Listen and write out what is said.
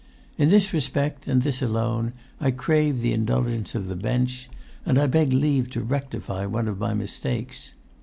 In this respect, and this alone, I crave the indulgence of the bench, and beg leave to rectify one of my mistakes.